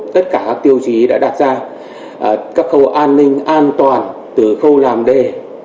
tất cả các tiêu chí đã đạt ra các khâu an ninh an toàn từ khâu làm đề